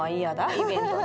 イベントに。